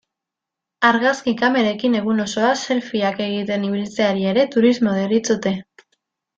Argazki kamerekin egun osoa selfieak egiten ibiltzeari ere turismo deritzote.